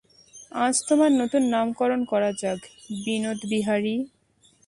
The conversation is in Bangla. আজ তোমার নূতন নামকরণ করা যাক-বিনোদ-বিহারী।